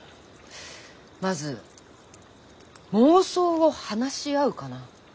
まず妄想を話し合うかな。